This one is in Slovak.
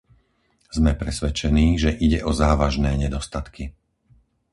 Sme presvedčení, že ide o závažné nedostatky.